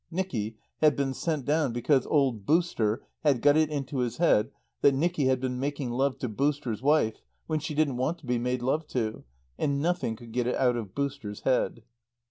Nicky had been sent down because old "Booster" had got it into his head that Nicky had been making love to "Booster's" wife when she didn't want to be made love to, and nothing could get it out of "Booster's" head.